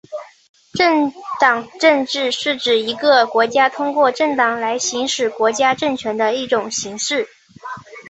政党政治是指一个国家通过政党来行使国家政权的一种形式。